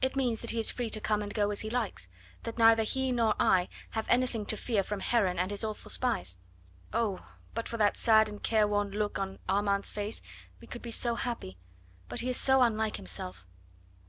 "It means that he is free to come and go as he likes; that neither he nor I have anything to fear from Heron and his awful spies. Oh! but for that sad and careworn look on Armand's face we could be so happy; but he is so unlike himself.